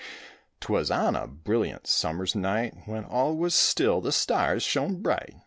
'Twas on a brilliant summer's night When all was still; the stars shone bright.